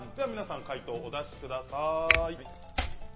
解答をお出しください。